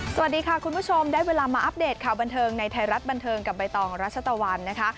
สวัสดีค่ะคุณผู้ชมได้เวลามาอัปเดตข่าวบันเทิงในไทยรัฐบันเทิงกับใบตองรัชตะวันนะคะ